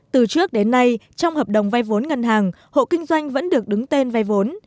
từ trước đến nay trong hợp đồng vay vốn ngân hàng hộ kinh doanh vẫn được đứng tên vay vốn